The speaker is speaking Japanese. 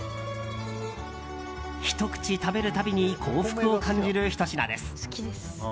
ひと口食べる度に幸福を感じるひと品です。